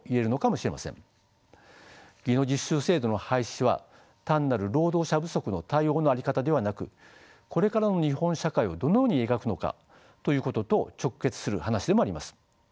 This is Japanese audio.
技能実習制度の廃止は単なる労働者不足の対応の在り方ではなくこれからの日本社会をどのように描くのかということと直結する話でもあります。